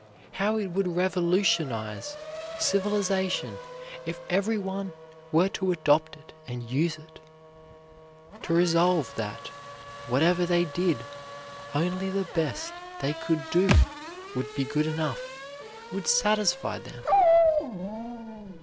How it would revolutionize civilization if everyone were to adopt it and use it; to resolve that, whatever they did only the best they could do would be good enough, would satisfy them!